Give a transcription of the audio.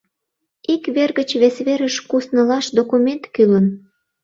Ик вер гыч вес верыш куснылаш документ кӱлын.